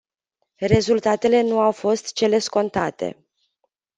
Rezultatele nu au fost cele scontate.